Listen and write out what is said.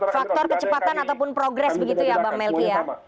faktor kecepatan ataupun progres begitu ya bang melki ya